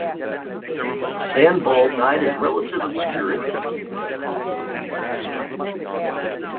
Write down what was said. San Baw died in relative obscurity.